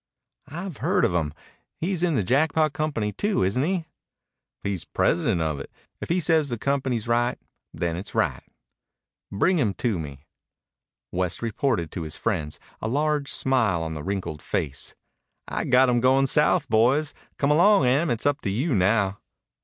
"I've heard of him. He's in this Jackpot company too, isn't he?" "He's president of it. If he says the company's right, then it's right." "Bring him in to me." West reported to his friends, a large smile on his wrinkled face. "I got him goin' south, boys. Come along, Em, it's up to you now."